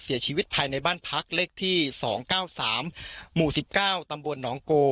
เสียชีวิตภายในบ้านพักเลขที่สองเก้าสามหมู่สิบเก้าตำบวนหนองโก